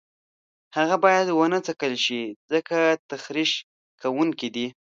هغه باید ونه څکل شي ځکه تخریش کوونکي دي.